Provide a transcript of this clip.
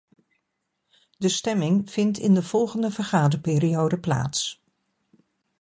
De stemming vindt in de volgende vergaderperiode plaats.